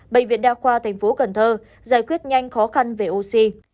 bệnh viện đa khoa tp cn giải quyết nhanh khó khăn về oxy